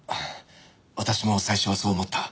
私も最初はそう思った。